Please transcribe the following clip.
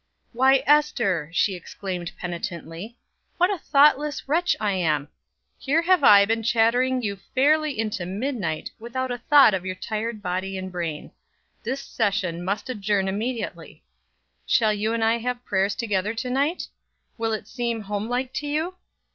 "Why, Ester!" she exclaimed penitently, "What a thoughtless wretch I am! Here have I been chattering you fairly into midnight, without a thought of your tired body and brain. This session must adjourn immediately. Shall you and I have prayers together to night? Will it seem homelike to you?